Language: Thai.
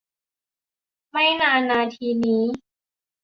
ไม่นานนาทีนี้